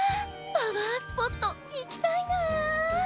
パワースポットいきたいなあ。